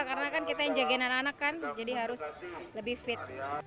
karena kan kita yang jagain anak anak kan jadi harus lebih fit